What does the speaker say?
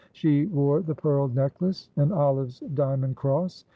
She wore the pearl necklace and Olive's diamond cross.